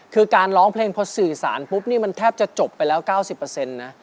คือการร้องเพลงพอสื่อสารปุ๊บนี่มันแทบจะจบไปแล้ว๙๐นะ